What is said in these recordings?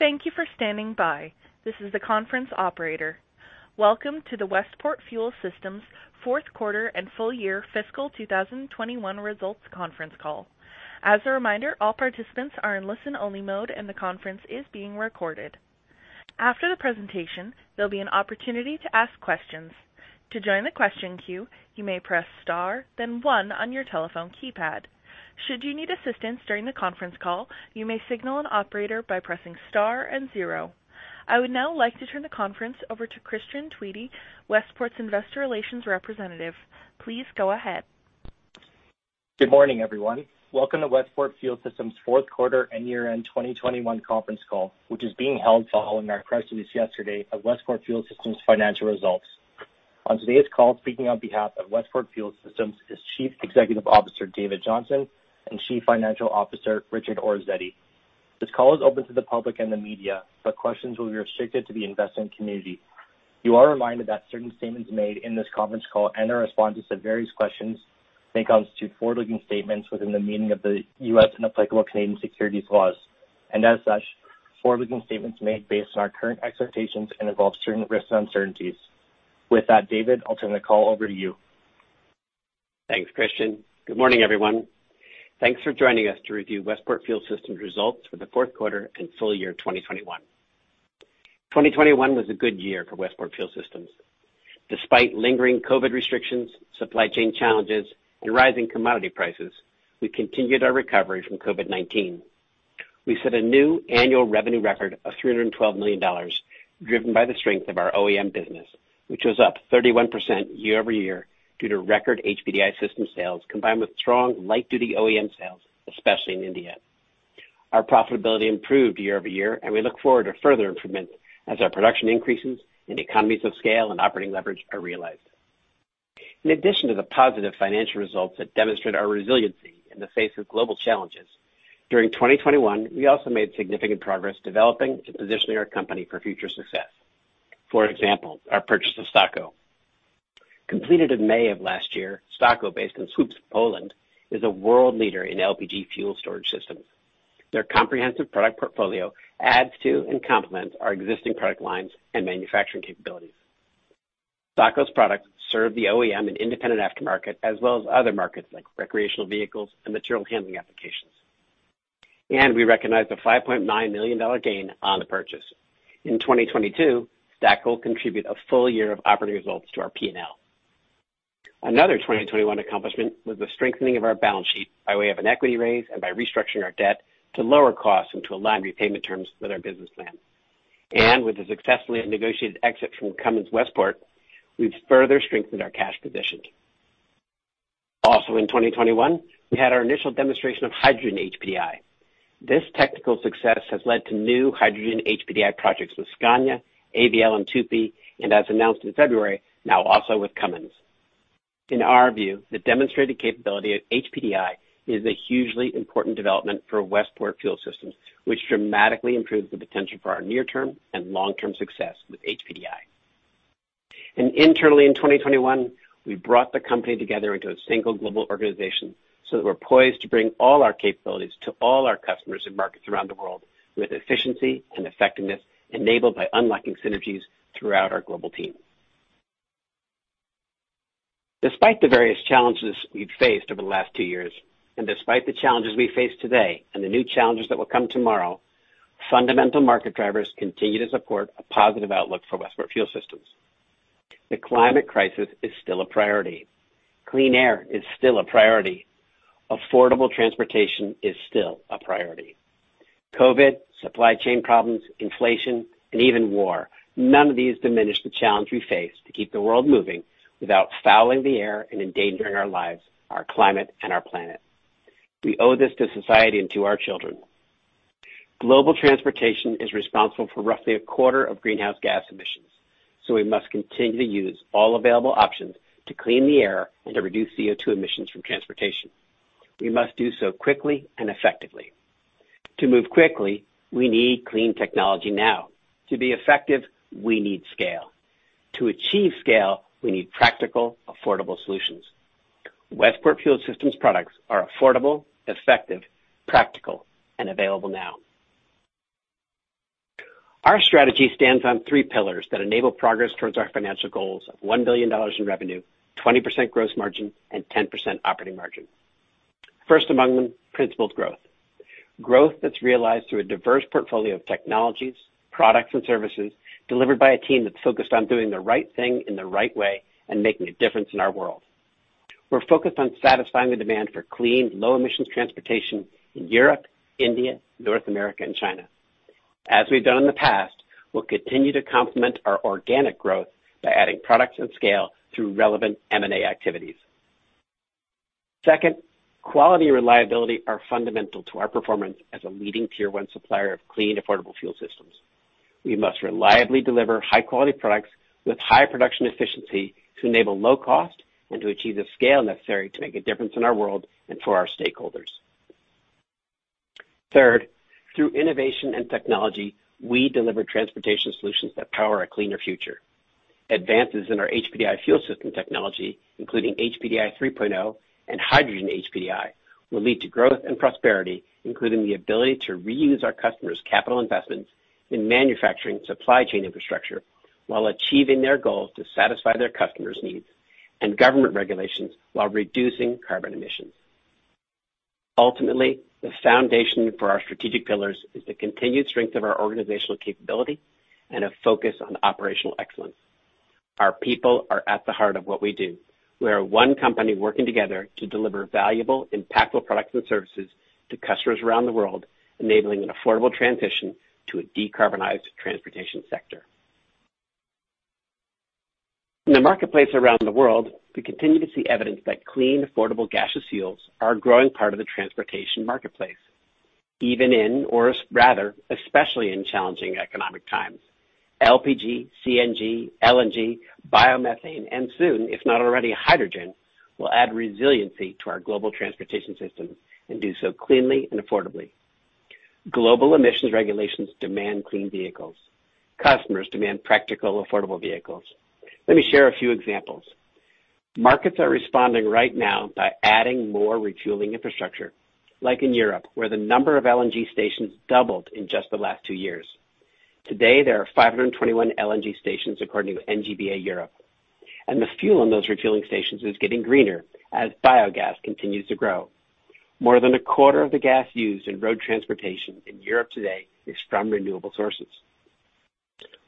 Thank you for standing by. This is the conference operator. Welcome to the Westport Fuel Systems fourth quarter and full year fiscal 2021 results conference call. As a reminder, all participants are in listen-only mode, and the conference is being recorded. After the presentation, there'll be an opportunity to ask questions. To join the question queue, you may press star then one on your telephone keypad. Should you need assistance during the conference call, you may signal an operator by pressing star and zero. I would now like to turn the conference over to Christian Tweedy, Westport's investor relations representative. Please go ahead. Good morning, everyone. Welcome to Westport Fuel Systems fourth quarter and year-end 2021 conference call, which is being held following our press release yesterday of Westport Fuel Systems financial results. On today's call, speaking on behalf of Westport Fuel Systems is Chief Executive Officer, David Johnson, and Chief Financial Officer, Richard Orazietti. This call is open to the public and the media, but questions will be restricted to the investment community. You are reminded that certain statements made in this conference call and the responses to various questions may constitute forward-looking statements within the meaning of the U.S. and applicable Canadian securities laws. As such, forward-looking statements are made based on our current expectations and involve certain risks and uncertainties. With that, David, I'll turn the call over to you. Thanks, Christian. Good morning, everyone. Thanks for joining us to review Westport Fuel Systems results for the fourth quarter and full year 2021. 2021 was a good year for Westport Fuel Systems. Despite lingering COVID restrictions, supply chain challenges, and rising commodity prices, we continued our recovery from COVID-19. We set a new annual revenue record of $312 million, driven by the strength of our OEM business, which was up 31% year-over-year due to record HPDI system sales, combined with strong light-duty OEM sales, especially in India. Our profitability improved year-over-year, and we look forward to further improvement as our production increases and economies of scale and operating leverage are realized. In addition to the positive financial results that demonstrate our resiliency in the face of global challenges, during 2021, we also made significant progress developing and positioning our company for future success. For example, our purchase of STAKO, completed in May of last year, STAKO, based in Słupsk, Poland, is a world leader in LPG fuel storage systems. Their comprehensive product portfolio adds to and complements our existing product lines and manufacturing capabilities. STAKO's products serve the OEM and independent aftermarket, as well as other markets like recreational vehicles and material handling applications. We recognize a $5.9 million gain on the purchase. In 2022, STAKO will contribute a full year of operating results to our P&L. Another 2021 accomplishment was the strengthening of our balance sheet by way of an equity raise and by restructuring our debt to lower costs and to align repayment terms with our business plan. With the successfully negotiated exit from Cummins Westport, we've further strengthened our cash position. Also in 2021, we had our initial demonstration of hydrogen HPDI. This technical success has led to new hydrogen HPDI projects with Scania, AVL, and TUPY, and as announced in February, now also with Cummins. In our view, the demonstrated capability of HPDI is a hugely important development for Westport Fuel Systems, which dramatically improves the potential for our near-term and long-term success with HPDI. Internally in 2021, we brought the company together into a single global organization so that we're poised to bring all our capabilities to all our customers in markets around the world with efficiency and effectiveness enabled by unlocking synergies throughout our global team. Despite the various challenges we've faced over the last two years, and despite the challenges we face today and the new challenges that will come tomorrow, fundamental market drivers continue to support a positive outlook for Westport Fuel Systems. The climate crisis is still a priority. Clean air is still a priority. Affordable transportation is still a priority. COVID, supply chain problems, inflation, and even war, none of these diminish the challenge we face to keep the world moving without fouling the air and endangering our lives, our climate, and our planet. We owe this to society and to our children. Global transportation is responsible for roughly a quarter of greenhouse gas emissions, so we must continue to use all available options to clean the air and to reduce CO2 emissions from transportation. We must do so quickly and effectively. To move quickly, we need clean technology now. To be effective, we need scale. To achieve scale, we need practical, affordable solutions. Westport Fuel Systems products are affordable, effective, practical, and available now. Our strategy stands on three pillars that enable progress towards our financial goals of $1 billion in revenue, 20% gross margin, and 10% operating margin. First among them, principled growth. Growth that's realized through a diverse portfolio of technologies, products, and services delivered by a team that's focused on doing the right thing in the right way and making a difference in our world. We're focused on satisfying the demand for clean, low-emission transportation in Europe, India, North America, and China. As we've done in the past, we'll continue to complement our organic growth by adding products and scale through relevant M&A activities. Second, quality and reliability are fundamental to our performance as a leading tier one supplier of clean, affordable fuel systems. We must reliably deliver high-quality products with high production efficiency to enable low cost and to achieve the scale necessary to make a difference in our world and for our stakeholders. Third, through innovation and technology, we deliver transportation solutions that power a cleaner future. Advances in our HPDI fuel system technology, including HPDI 3.0 and hydrogen HPDI, will lead to growth and prosperity, including the ability to reuse our customers' capital investments in manufacturing supply chain infrastructure while achieving their goals to satisfy their customers' needs and government regulations while reducing carbon emissions. Ultimately, the foundation for our strategic pillars is the continued strength of our organizational capability and a focus on operational excellence. Our people are at the heart of what we do. We are one company working together to deliver valuable, impactful products and services to customers around the world, enabling an affordable transition to a decarbonized transportation sector. In the marketplace around the world, we continue to see evidence that clean, affordable gaseous fuels are a growing part of the transportation marketplace, even in, or rather, especially in challenging economic times. LPG, CNG, LNG, biomethane, and soon, if not already, hydrogen, will add resiliency to our global transportation system and do so cleanly and affordably. Global emissions regulations demand clean vehicles. Customers demand practical, affordable vehicles. Let me share a few examples. Markets are responding right now by adding more refueling infrastructure, like in Europe, where the number of LNG stations doubled in just the last two years. Today, there are 521 LNG stations according to NGVA Europe. The fuel in those refueling stations is getting greener as biogas continues to grow. More than a quarter of the gas used in road transportation in Europe today is from renewable sources.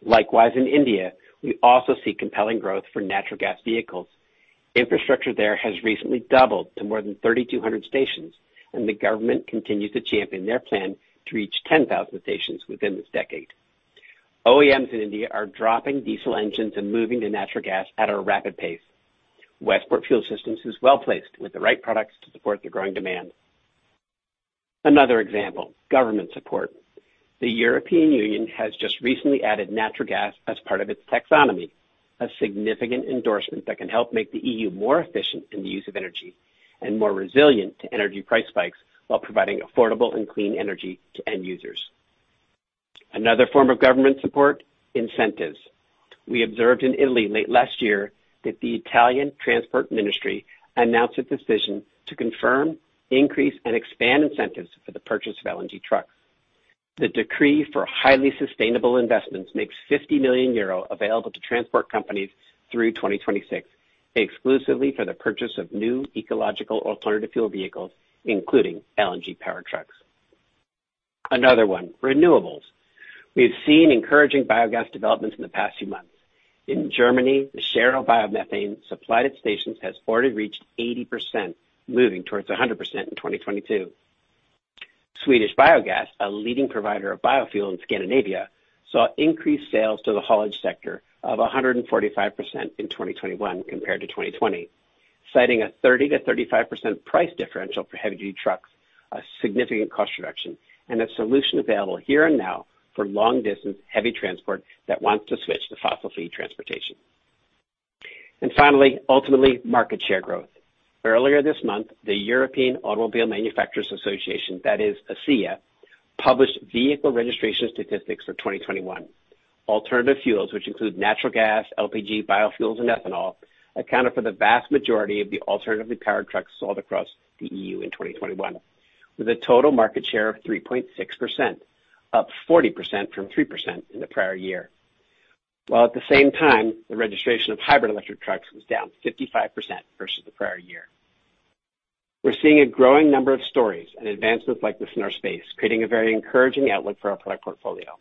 Likewise, in India, we also see compelling growth for natural gas vehicles. Infrastructure there has recently doubled to more than 3,200 stations, and the government continues to champion their plan to reach 10,000 stations within this decade. OEMs in India are dropping diesel engines and moving to natural gas at a rapid pace. Westport Fuel Systems is well-placed with the right products to support the growing demand. Another example, government support. The European Union has just recently added natural gas as part of its taxonomy, a significant endorsement that can help make the EU more efficient in the use of energy and more resilient to energy price spikes while providing affordable and clean energy to end users. Another form of government support, incentives. We observed in Italy late last year that the Italian Transport Ministry announced its decision to confirm, increase, and expand incentives for the purchase of LNG trucks. The decree for highly sustainable investments makes 50 million euro available to transport companies through 2026, exclusively for the purchase of new ecological alternative fuel vehicles, including LNG powered trucks. Another one, renewables. We have seen encouraging biogas developments in the past few months. In Germany, the share of biomethane supplied at stations has already reached 80%, moving towards 100% in 2022. Swedish Biogas, a leading provider of biofuel in Scandinavia, saw increased sales to the haulage sector of 145% in 2021 compared to 2020, citing a 30%-35% price differential for heavy-duty trucks, a significant cost reduction, and a solution available here and now for long-distance heavy transport that wants to switch to fossil free transportation. Finally, ultimately, market share growth. Earlier this month, the European Automobile Manufacturers' Association, that is ACEA, published vehicle registration statistics for 2021. Alternative fuels, which include natural gas, LPG, biofuels, and ethanol, accounted for the vast majority of the alternatively powered trucks sold across the EU in 2021, with a total market share of 3.6%, up 40% from 3% in the prior year. While at the same time, the registration of hybrid electric trucks was down 55% versus the prior year. We're seeing a growing number of stories and advancements like this in our space, creating a very encouraging outlook for our product portfolio.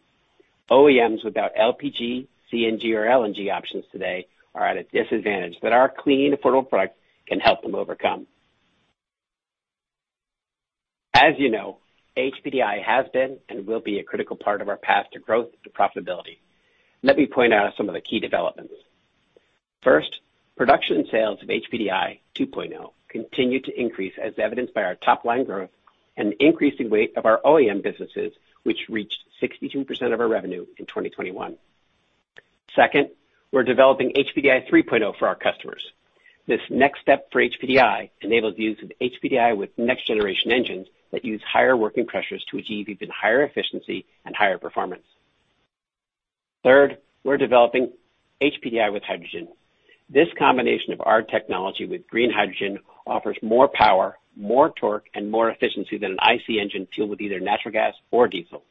OEMs without LPG, CNG, or LNG options today are at a disadvantage that our clean, affordable product can help them overcome. As you know, HPDI has been and will be a critical part of our path to growth to profitability. Let me point out some of the key developments. First, production sales of HPDI 2.0 continue to increase as evidenced by our top line growth and increasing weight of our OEM businesses, which reached 62% of our revenue in 2021. Second, we're developing HPDI 3.0 for our customers. This next step for HPDI enables the use of HPDI with next generation engines that use higher working pressures to achieve even higher efficiency and higher performance. Third, we're developing HPDI with hydrogen. This combination of our technology with green hydrogen offers more power, more torque, and more efficiency than an IC engine fueled with either natural gas or diesel.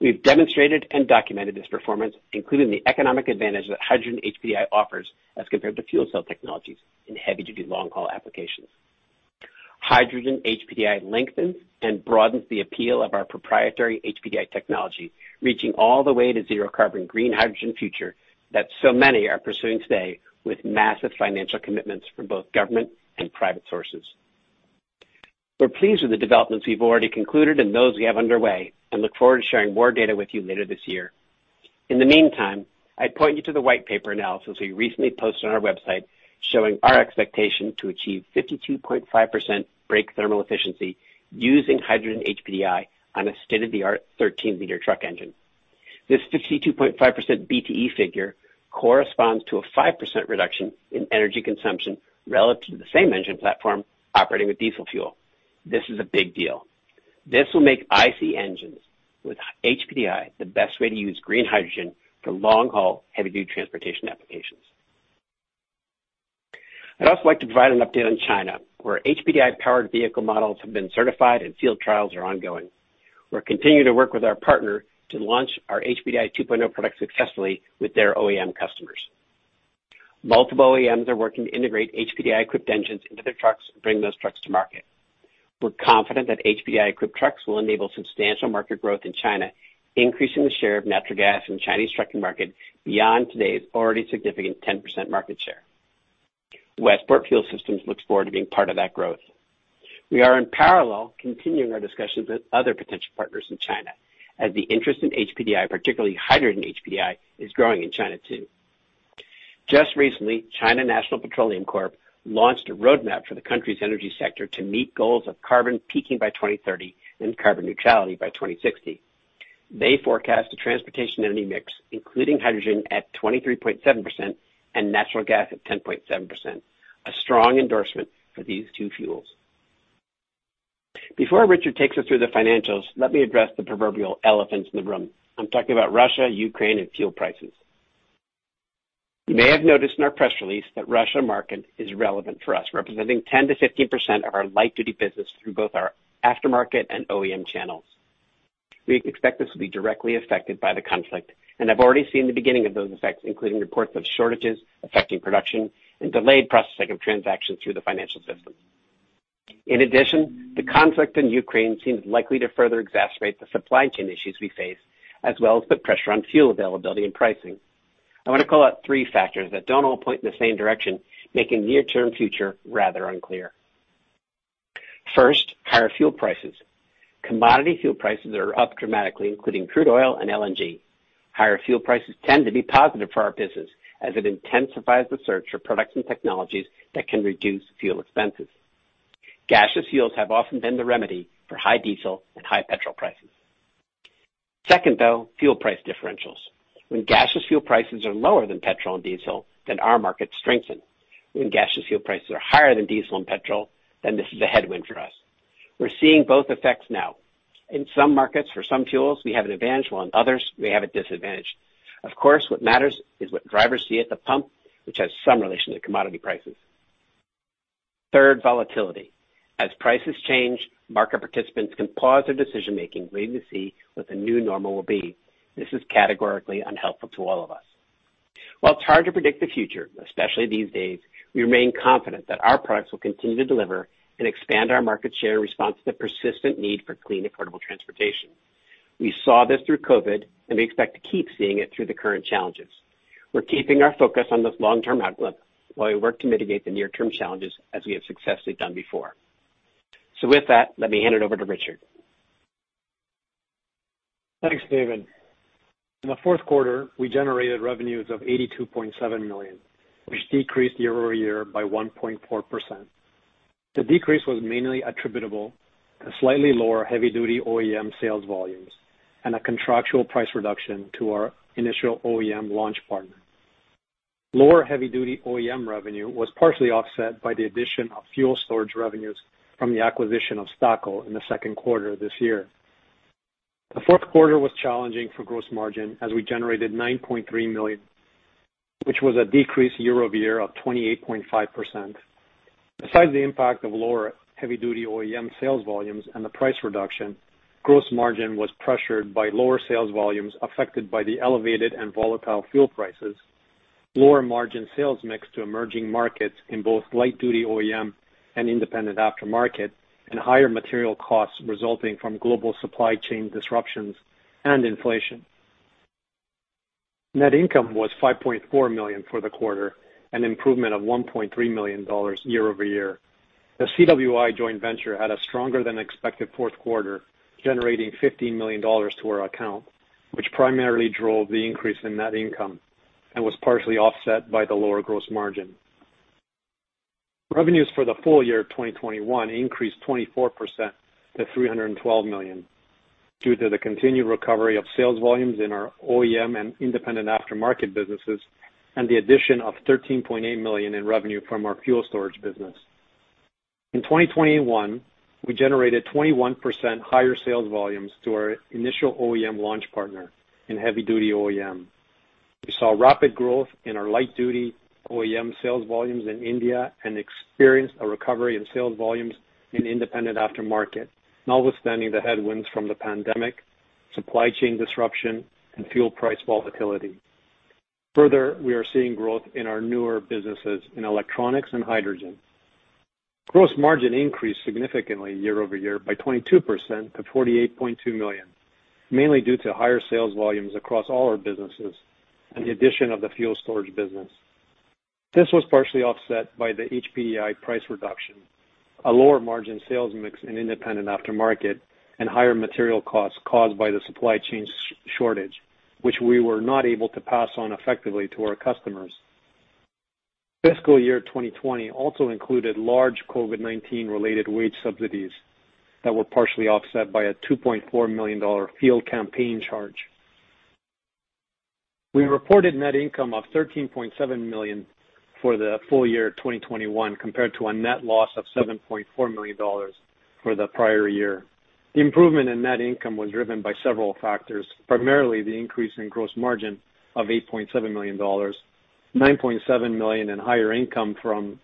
We've demonstrated and documented this performance, including the economic advantage that hydrogen HPDI offers as compared to fuel cell technologies in heavy-duty long-haul applications. Hydrogen HPDI lengthens and broadens the appeal of our proprietary HPDI technology, reaching all the way to zero carbon green hydrogen future that so many are pursuing today with massive financial commitments from both government and private sources. We're pleased with the developments we've already concluded and those we have underway, and look forward to sharing more data with you later this year. In the meantime, I point you to the white paper analysis we recently posted on our website showing our expectation to achieve 52.5% brake thermal efficiency using hydrogen HPDI on a state-of-the-art 13-liter truck engine. This 52.5% BTE figure corresponds to a 5% reduction in energy consumption relative to the same engine platform operating with diesel fuel. This is a big deal. This will make IC engines with HPDI the best way to use green hydrogen for long-haul heavy-duty transportation applications. I'd also like to provide an update on China, where HPDI powered vehicle models have been certified and field trials are ongoing. We're continuing to work with our partner to launch our HPDI 2.0 product successfully with their OEM customers. Multiple OEMs are working to integrate HPDI equipped engines into their trucks and bring those trucks to market. We're confident that HPDI equipped trucks will enable substantial market growth in China, increasing the share of natural gas in Chinese trucking market beyond today's already significant 10% market share. Westport Fuel Systems looks forward to being part of that growth. We are in parallel continuing our discussions with other potential partners in China as the interest in HPDI, particularly hydrogen HPDI, is growing in China too. Just recently, China National Petroleum Corp launched a roadmap for the country's energy sector to meet goals of carbon peaking by 2030 and carbon neutrality by 2060. They forecast a transportation energy mix, including hydrogen at 23.7% and natural gas at 10.7%. A strong endorsement for these two fuels. Before Richard takes us through the financials, let me address the proverbial elephants in the room. I'm talking about Russia, Ukraine, and fuel prices. You may have noticed in our press release that Russian market is relevant for us, representing 10%-15% of our light-duty business through both our aftermarket and OEM channels. We expect this will be directly affected by the conflict, and I've already seen the beginning of those effects, including reports of shortages affecting production and delayed processing of transactions through the financial system. In addition, the conflict in Ukraine seems likely to further exacerbate the supply chain issues we face, as well as put pressure on fuel availability and pricing. I want to call out three factors that don't all point in the same direction, making near-term future rather unclear. First, higher fuel prices. Commodity fuel prices are up dramatically, including crude oil and LNG. Higher fuel prices tend to be positive for our business as it intensifies the search for products and technologies that can reduce fuel expenses. Gaseous fuels have often been the remedy for high diesel and high petrol prices. Second, though, fuel price differentials. When gaseous fuel prices are lower than petrol and diesel, then our markets strengthen. When gaseous fuel prices are higher than diesel and petrol, then this is a headwind for us. We're seeing both effects now. In some markets, for some fuels, we have an advantage. While in others, we have a disadvantage. Of course, what matters is what drivers see at the pump, which has some relation to commodity prices. Third, volatility. As prices change, market participants can pause their decision-making, waiting to see what the new normal will be. This is categorically unhelpful to all of us. While it's hard to predict the future, especially these days, we remain confident that our products will continue to deliver and expand our market share in response to the persistent need for clean, affordable transportation. We saw this through COVID, and we expect to keep seeing it through the current challenges. We're keeping our focus on this long-term outlook while we work to mitigate the near-term challenges as we have successfully done before. With that, let me hand it over to Richard. Thanks, David. In the fourth quarter, we generated revenues of $82.7 million, which decreased year-over-year by 1.4%. The decrease was mainly attributable to slightly lower heavy-duty OEM sales volumes and a contractual price reduction to our initial OEM launch partner. Lower heavy-duty OEM revenue was partially offset by the addition of fuel storage revenues from the acquisition of STAKO in the second quarter of this year. The fourth quarter was challenging for gross margin as we generated $9.3 million, which was a decrease year-over-year of 28.5%. Besides the impact of lower heavy-duty OEM sales volumes and the price reduction, gross margin was pressured by lower sales volumes affected by the elevated and volatile fuel prices, lower margin sales mix to emerging markets in both light-duty OEM and independent aftermarket, and higher material costs resulting from global supply chain disruptions and inflation. Net income was $5.4 million for the quarter, an improvement of $1.3 million year-over-year. The CWI joint venture had a stronger than expected fourth quarter, generating $15 million to our account, which primarily drove the increase in net income and was partially offset by the lower gross margin. Revenues for the full year of 2021 increased 24% to $312 million due to the continued recovery of sales volumes in our OEM and independent aftermarket businesses and the addition of $13.8 million in revenue from our fuel storage business. In 2021, we generated 21% higher sales volumes to our initial OEM launch partner in heavy-duty OEM. We saw rapid growth in our light duty OEM sales volumes in India and experienced a recovery in sales volumes in independent aftermarket, notwithstanding the headwinds from the pandemic, supply chain disruption, and fuel price volatility. Further, we are seeing growth in our newer businesses in electronics and hydrogen. Gross margin increased significantly year-over-year by 22% to $48.2 million, mainly due to higher sales volumes across all our businesses and the addition of the fuel storage business. This was partially offset by the HPDI price reduction, a lower margin sales mix in independent aftermarket, and higher material costs caused by the supply chain shortage, which we were not able to pass on effectively to our customers. Fiscal year 2020 also included large COVID-19 related wage subsidies that were partially offset by a $2.4 million field campaign charge. We reported net income of $13.7 million for the full year 2021 compared to a net loss of $7.4 million for the prior year. The improvement in net income was driven by several factors, primarily the increase in gross margin of $8.7 million, $9.7 million in higher income from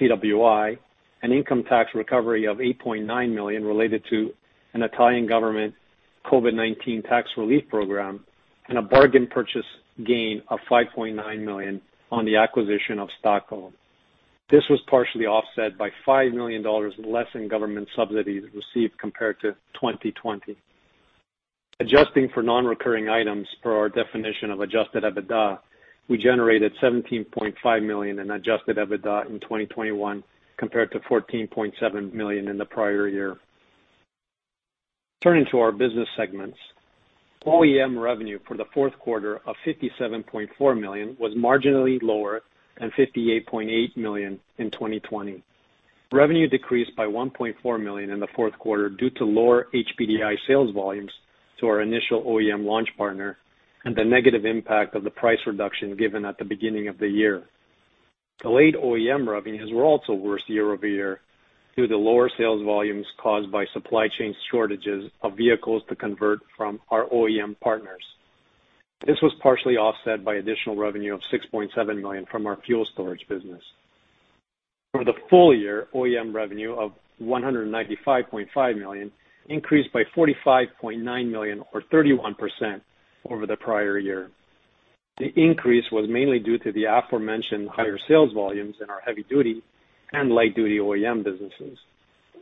CWI, an income tax recovery of $8.9 million related to an Italian government COVID-19 tax relief program, and a bargain purchase gain of $5.9 million on the acquisition of STAKO. This was partially offset by $5 million less in government subsidies received compared to 2020. Adjusting for non-recurring items per our definition of adjusted EBITDA, we generated $17.5 million in adjusted EBITDA in 2021 compared to $14.7 million in the prior year. Turning to our business segments. OEM revenue for the fourth quarter of $57.4 million was marginally lower than $58.8 million in 2020. Revenue decreased by $1.4 million in the fourth quarter due to lower HPDI sales volumes to our initial OEM launch partner and the negative impact of the price reduction given at the beginning of the year. Delayed OEM revenues were also worse year-over-year due to lower sales volumes caused by supply chain shortages of vehicles to convert from our OEM partners. This was partially offset by additional revenue of $6.7 million from our fuel storage business. For the full year, OEM revenue of $195.5 million increased by $45.9 million or 31% over the prior year. The increase was mainly due to the aforementioned higher sales volumes in our heavy-duty and light-duty OEM businesses,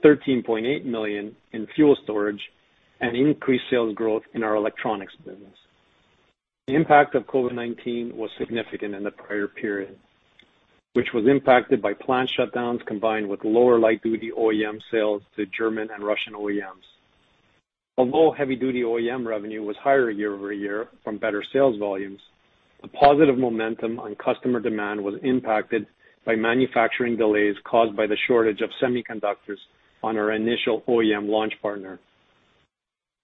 $13.8 million in fuel storage and increased sales growth in our electronics business. The impact of COVID-19 was significant in the prior period, which was impacted by plant shutdowns combined with lower light-duty OEM sales to German and Russian OEMs. Although heavy-duty OEM revenue was higher year over year from better sales volumes, the positive momentum on customer demand was impacted by manufacturing delays caused by the shortage of semiconductors on our initial OEM launch partner.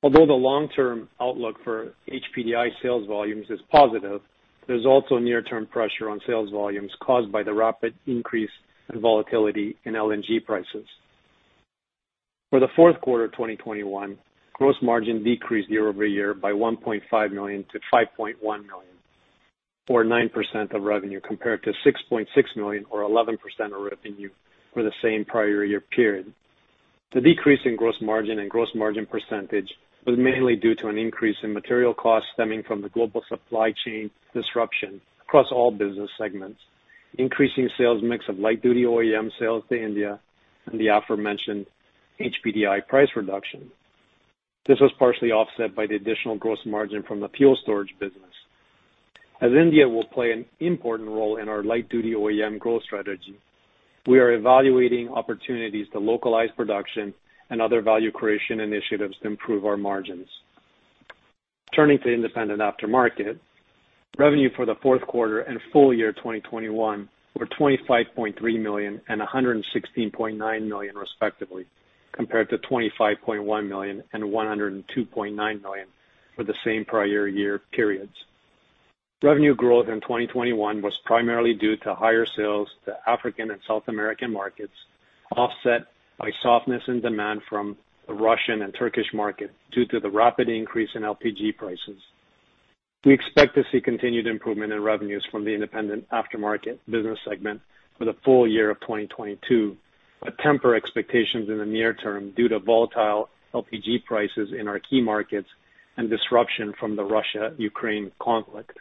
Although the long-term outlook for HPDI sales volumes is positive, there's also near-term pressure on sales volumes caused by the rapid increase and volatility in LNG prices. For the fourth quarter of 2021, gross margin decreased year over year by $1.5 million to $5.1 million or 9% of revenue, compared to $6.6 million or 11% of revenue for the same prior year period. The decrease in gross margin and gross margin percentage was mainly due to an increase in material costs stemming from the global supply chain disruption across all business segments, increasing sales mix of light-duty OEM sales to India and the aforementioned HPDI price reduction. This was partially offset by the additional gross margin from the fuel storage business. As India will play an important role in our light-duty OEM growth strategy, we are evaluating opportunities to localize production and other value creation initiatives to improve our margins. Turning to independent aftermarket. Revenue for the fourth quarter and full year 2021 were $25.3 million and $116.9 million, respectively, compared to $25.1 million and $102.9 million for the same prior year periods. Revenue growth in 2021 was primarily due to higher sales to African and South American markets, offset by softness in demand from the Russian and Turkish market due to the rapid increase in LPG prices. We expect to see continued improvement in revenues from the independent aftermarket business segment for the full year of 2022, but temper expectations in the near term due to volatile LPG prices in our key markets and disruption from the Russia-Ukraine conflict.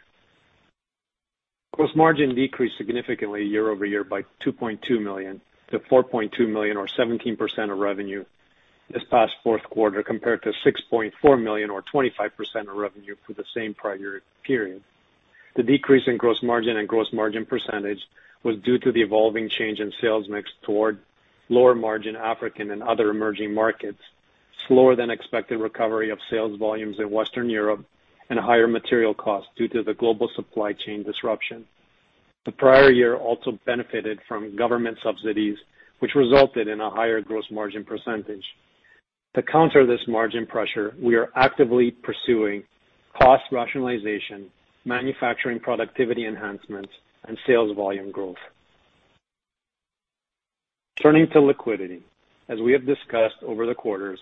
Gross margin decreased significantly year over year by $2.2 million to $4.2 million or 17% of revenue this past fourth quarter, compared to $6.4 million or 25% of revenue for the same prior year period. The decrease in gross margin and gross margin percentage was due to the evolving change in sales mix toward lower margin African and other emerging markets, slower than expected recovery of sales volumes in Western Europe, and higher material costs due to the global supply chain disruption. The prior year also benefited from government subsidies, which resulted in a higher gross margin percentage. To counter this margin pressure, we are actively pursuing cost rationalization, manufacturing productivity enhancements, and sales volume growth. Turning to liquidity. As we have discussed over the quarters,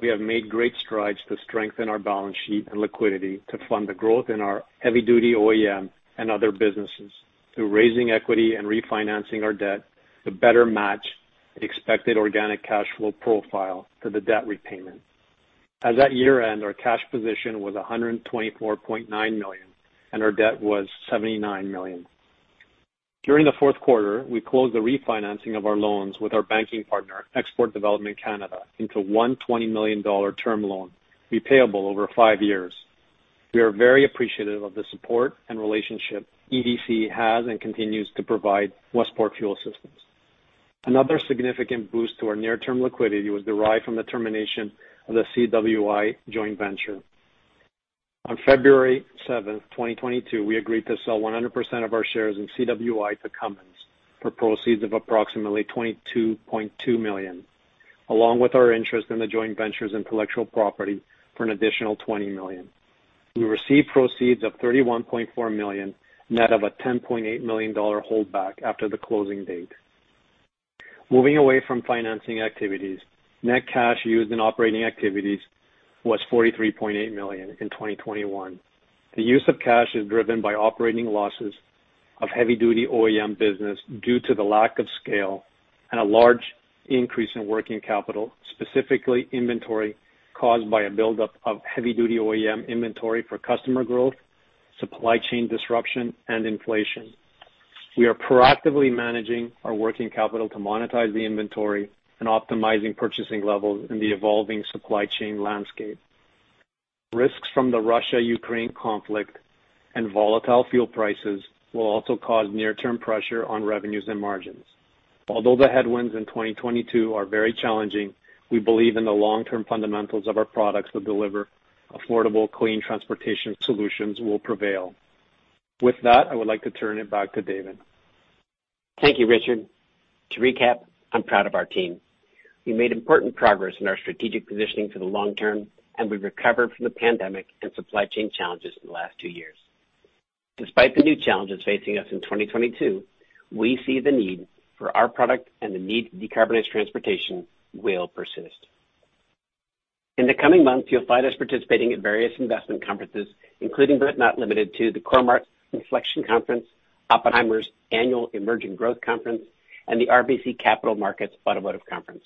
we have made great strides to strengthen our balance sheet and liquidity to fund the growth in our heavy-duty OEM and other businesses through raising equity and refinancing our debt to better match the expected organic cash flow profile to the debt repayment. As at year-end, our cash position was $124.9 million, and our debt was $79 million. During the fourth quarter, we closed the refinancing of our loans with our banking partner, Export Development Canada, into $120 million term loan repayable over five years. We are very appreciative of the support and relationship EDC has and continues to provide Westport Fuel Systems. Another significant boost to our near-term liquidity was derived from the termination of the CWI joint venture. On February 7, 2022, we agreed to sell 100% of our shares in CWI to Cummins for proceeds of approximately $22.2 million. Along with our interest in the joint venture's intellectual property for an additional $20 million. We received proceeds of $31.4 million, net of a $10.8 million holdback after the closing date. Moving away from financing activities, net cash used in operating activities was $43.8 million in 2021. The use of cash is driven by operating losses of heavy duty OEM business due to the lack of scale and a large increase in working capital, specifically inventory caused by a buildup of heavy duty OEM inventory for customer growth, supply chain disruption and inflation. We are proactively managing our working capital to monetize the inventory and optimizing purchasing levels in the evolving supply chain landscape. Risks from the Russia-Ukraine conflict and volatile fuel prices will also cause near-term pressure on revenues and margins. Although the headwinds in 2022 are very challenging, we believe in the long-term fundamentals of our products that deliver affordable, clean transportation solutions will prevail. With that, I would like to turn it back to David. Thank you, Richard. To recap, I'm proud of our team. We made important progress in our strategic positioning for the long term, and we recovered from the pandemic and supply chain challenges in the last two years. Despite the new challenges facing us in 2022, we see the need for our product and the need to decarbonize transportation will persist. In the coming months, you'll find us participating in various investment conferences including, but not limited to the Cormark Inflection Conference, Oppenheimer's Annual Emerging Growth Conference, and the RBC Capital Markets Automotive Conference.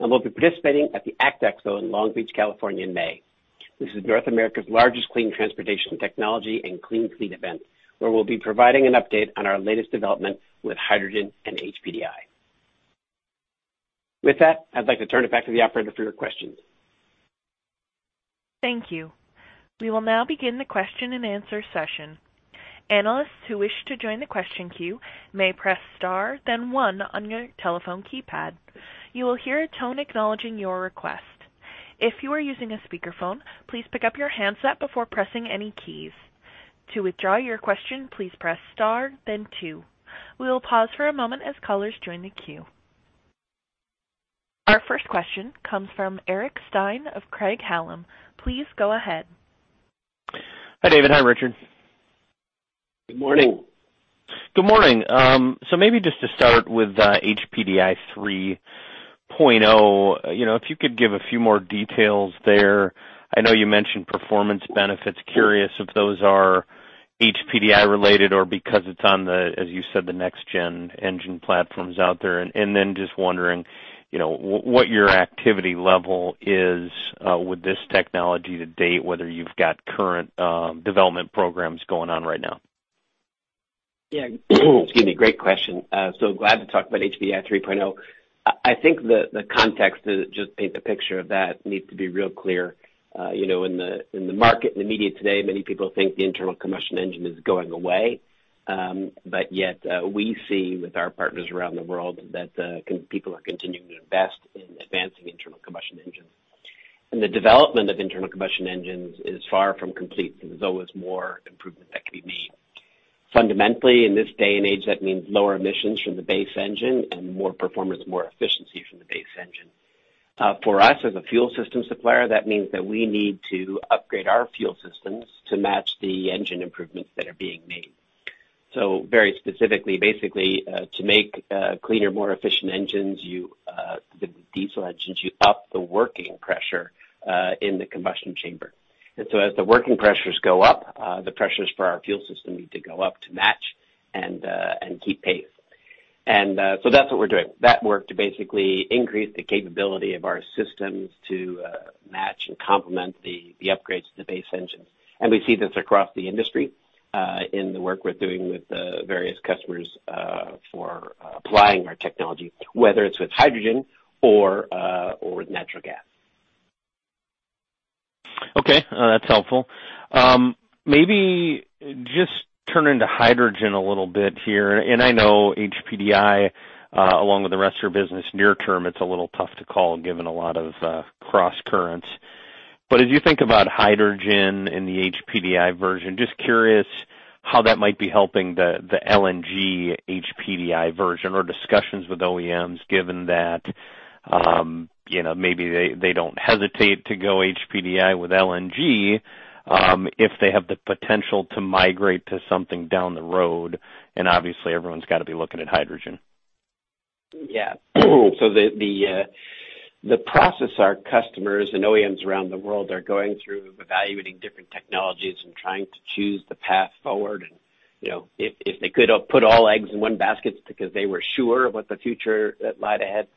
We'll be participating at the ACT Expo in Long Beach, California, in May. This is North America's largest clean transportation technology and clean fleet event, where we'll be providing an update on our latest development with hydrogen and HPDI. With that, I'd like to turn it back to the operator for your questions. Thank you. We will now begin the question-and-answer session. Analysts who wish to join the question queue may press star then one on your telephone keypad. You will hear a tone acknowledging your request. If you are using a speakerphone, please pick up your handset before pressing any keys. To withdraw your question, please press star then two. We will pause for a moment as callers join the queue. Our first question comes from Eric Stine of Craig-Hallum. Please go ahead. Hi, David. Hi, Richard. Good morning. Good morning. Maybe just to start with, HPDI 3.0, you know, if you could give a few more details there. I know you mentioned performance benefits. Curious if those are HPDI related or because it's on the, as you said, the next gen engine platforms out there. Then just wondering, you know, what your activity level is with this technology to date, whether you've got current development programs going on right now. Yeah. Excuse me. Great question. So glad to talk about HPDI 3.0. I think the context to just paint the picture of that needs to be real clear. You know, in the market, in the media today, many people think the internal combustion engine is going away. But yet, we see with our partners around the world that people are continuing to invest in advancing internal combustion engines. The development of internal combustion engines is far from complete. There's always more improvement that can be made. Fundamentally, in this day and age, that means lower emissions from the base engine and more performance, more efficiency from the base engine. For us, as a fuel system supplier, that means that we need to upgrade our fuel systems to match the engine improvements that are being made. Very specifically, basically, to make cleaner, more efficient diesel engines, you up the working pressure in the combustion chamber. As the working pressures go up, the pressures for our fuel system need to go up to match and keep pace. That's what we're doing. The work to basically increase the capability of our systems to match and complement the upgrades to the base engines. We see this across the industry in the work we're doing with the various customers for applying our technology, whether it's with hydrogen or with natural gas. Okay. That's helpful. Maybe just turn into hydrogen a little bit here. I know HPDI, along with the rest of your business near term, it's a little tough to call given a lot of cross currents. As you think about hydrogen in the HPDI version, just curious how that might be helping the LNG HPDI version or discussions with OEMs given that, you know, maybe they don't hesitate to go HPDI with LNG, if they have the potential to migrate to something down the road. Obviously everyone's got to be looking at hydrogen. The process our customers and OEMs around the world are going through evaluating different technologies and trying to choose the path forward. If they could put all eggs in one basket because they were sure of what the future lay ahead,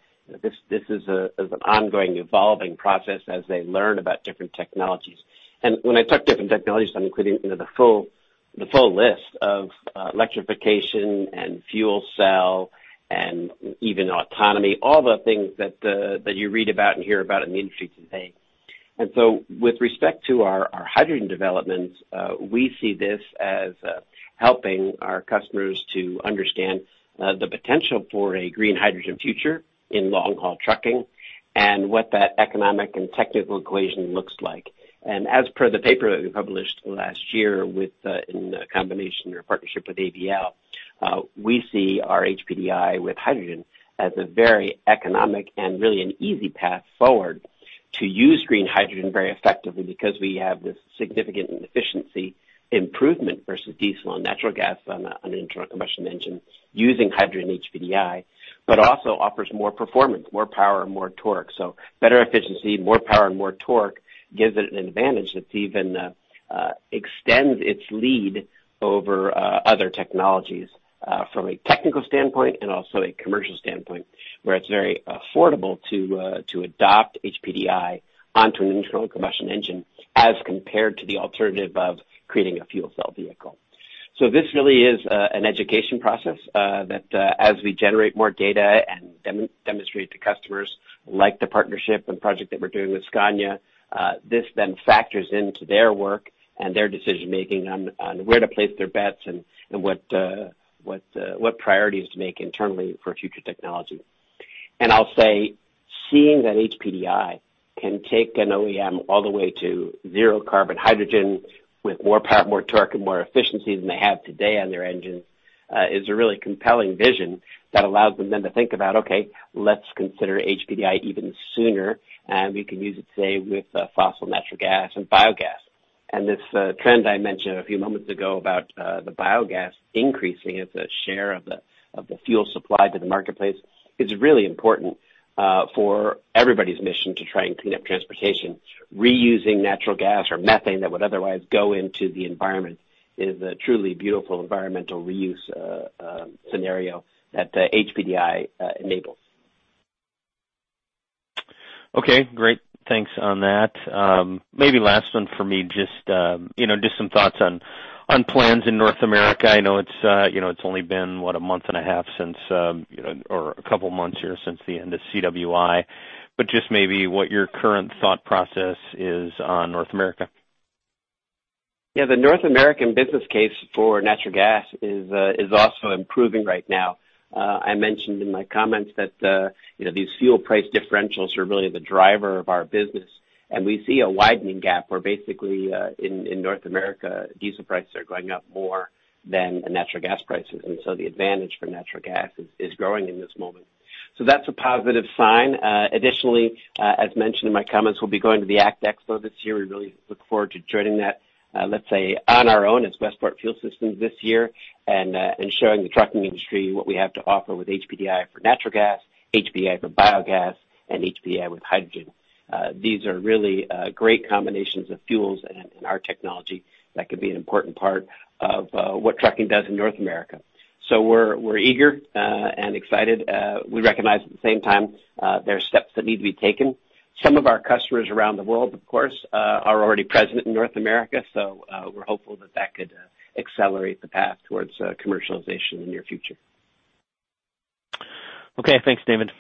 this is an ongoing evolving process as they learn about different technologies. When I talk about different technologies, I'm including the full list of electrification and fuel cell and even autonomy, all the things that you read about and hear about in the industry today. With respect to our hydrogen developments, we see this as helping our customers to understand the potential for a green hydrogen future in long-haul trucking and what that economic and technical equation looks like. As per the paper that we published last year with, in combination or partnership with AVL, we see our HPDI with hydrogen as a very economic and really an easy path forward to use green hydrogen very effectively because we have this significant efficiency improvement versus diesel and natural gas on an internal combustion engine using hydrogen HPDI, but also offers more performance, more power, more torque. Better efficiency, more power, and more torque gives it an advantage that even extends its lead over other technologies from a technical standpoint and also a commercial standpoint, where it's very affordable to adopt HPDI onto an internal combustion engine as compared to the alternative of creating a fuel cell vehicle. This really is an education process that as we generate more data and demonstrate to customers like the partnership and project that we're doing with Scania, this then factors into their work and their decision making on where to place their bets and what priorities to make internally for future technology. I'll say seeing that HPDI can take an OEM all the way to zero carbon hydrogen with more power, more torque, and more efficiency than they have today on their engines is a really compelling vision that allows them then to think about, okay, let's consider HPDI even sooner, and we can use it today with fossil natural gas and biogas. This trend I mentioned a few moments ago about the biogas increasing as a share of the fuel supply to the marketplace is really important for everybody's mission to try and clean up transportation. Reusing natural gas or methane that would otherwise go into the environment is a truly beautiful environmental reuse scenario that HPDI enables. Okay, great. Thanks on that. Maybe last one for me, just you know, just some thoughts on plans in North America. I know it's you know, it's only been, what? A month and a half since or a couple months here since the end of CWI. Just maybe what your current thought process is on North America. Yeah. The North American business case for natural gas is also improving right now. I mentioned in my comments that you know, these fuel price differentials are really the driver of our business. We see a widening gap where basically in North America, diesel prices are going up more than natural gas prices. The advantage for natural gas is growing in this moment. That's a positive sign. Additionally, as mentioned in my comments, we'll be going to the ACT Expo this year. We really look forward to joining that, let's say on our own as Westport Fuel Systems this year and showing the trucking industry what we have to offer with HPDI for natural gas, HPDI for biogas, and HPDI with hydrogen. These are really great combinations of fuels and our technology that could be an important part of what trucking does in North America. We're eager and excited. We recognize at the same time there are steps that need to be taken. Some of our customers around the world, of course, are already present in North America. We're hopeful that could accelerate the path towards commercialization in the near future. Okay. Thanks, David.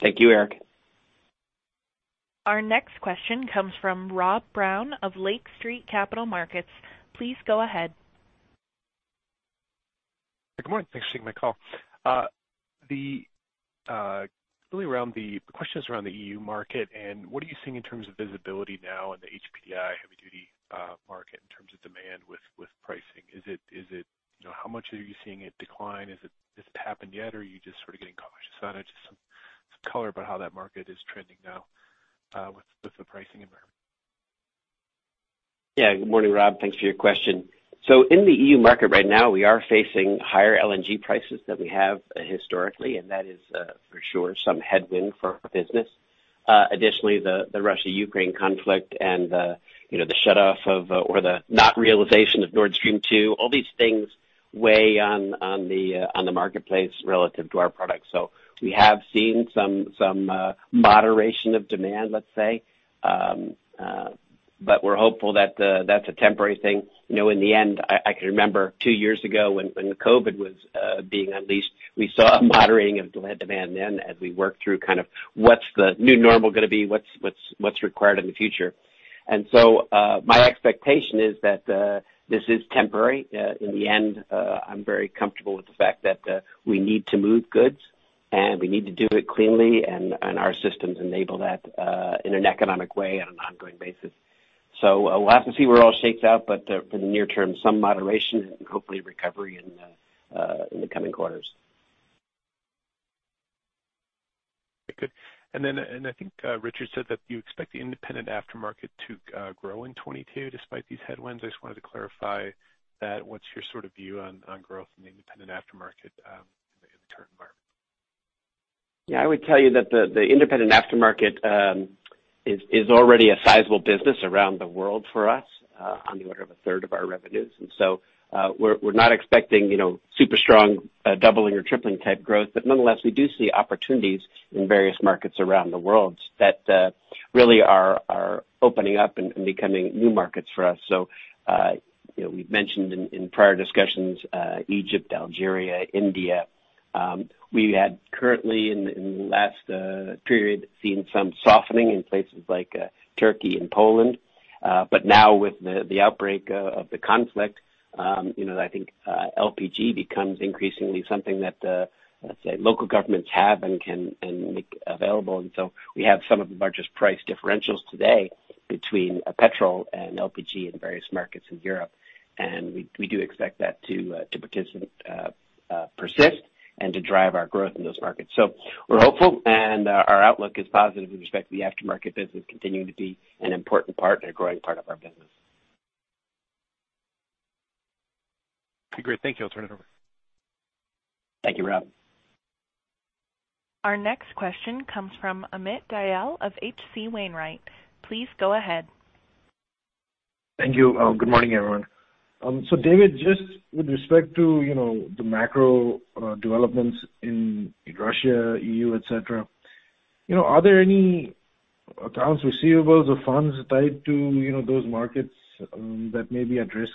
Thank you, Eric. Our next question comes from Rob Brown of Lake Street Capital Markets. Please go ahead. Good morning. Thanks for taking my call. The question is around the EU market and what are you seeing in terms of visibility now in the HPDI heavy duty market in terms of demand with pricing? You know, how much are you seeing it decline? Has it happened yet or are you just sort of getting cautious on it? Just some color about how that market is trending now with the pricing environment. Yeah. Good morning, Rob. Thanks for your question. In the E.U. market right now, we are facing higher LNG prices than we have historically, and that is for sure some headwind for our business. Additionally, the Russia-Ukraine conflict and you know the shut off of or the not realization of Nord Stream 2, all these things weigh on the marketplace relative to our products. We have seen some moderation of demand, let's say. We're hopeful that that's a temporary thing. You know, in the end, I can remember two years ago when the COVID was being unleashed, we saw a moderating of demand then as we worked through kind of what's the new normal gonna be? What's required in the future? My expectation is that this is temporary. In the end, I'm very comfortable with the fact that we need to move goods, and we need to do it cleanly, and our systems enable that in an economic way on an ongoing basis. We'll have to see where it all shakes out, but in the near term, some moderation and hopefully recovery in the coming quarters. Okay, good. I think Richard said that you expect the independent aftermarket to grow in 2022 despite these headwinds. I just wanted to clarify that. What's your sort of view on growth in the independent aftermarket in the current environment? Yeah, I would tell you that the independent aftermarket is already a sizable business around the world for us, on the order of 1/3 of our revenues. We're not expecting, you know, super strong doubling or tripling type growth. Nonetheless, we do see opportunities in various markets around the world that really are opening up and becoming new markets for us. You know, we've mentioned in prior discussions Egypt, Algeria, India. We had currently in the last period seen some softening in places like Turkey and Poland. Now with the outbreak of the conflict, you know, I think LPG becomes increasingly something that, let's say local governments have and can make available. We have some of the largest price differentials today between petrol and LPG in various markets in Europe. We do expect that to persist and to drive our growth in those markets. We're hopeful and our outlook is positive with respect to the aftermarket business continuing to be an important part and a growing part of our business. Okay, great. Thank you. I'll turn it over. Thank you, Rob. Our next question comes from Amit Dayal of H.C. Wainwright. Please go ahead. Thank you. Good morning, everyone. David, just with respect to, you know, the macro developments in Russia, E.U., et cetera, you know, are there any accounts receivables or funds tied to, you know, those markets that may be at risk?